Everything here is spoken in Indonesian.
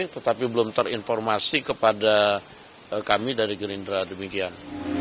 tetapi belum terinformasi kepada kami dari gerindra demikian